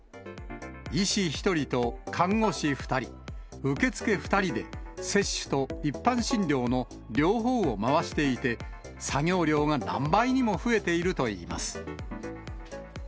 医師１人と看護師２人、受付２人で、接種と一般診療の両方を回していて、作業量が何倍にも増えているといいます。